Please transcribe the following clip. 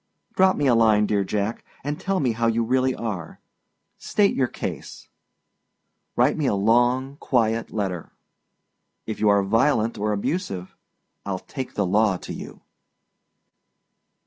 Drop me a line, dear Jack, and tell me how you really are. State your case. Write me a long, quite letter. If you are violent or abusive, Iâll take the law to you.